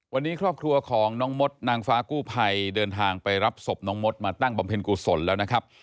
วันนี้ครอบครัวของน้องมดนางฟ้ากู้ภัยเดินทางไปรับศพน้องมดมาตั้งบำเพ็ญกุศลแล้วนะครับ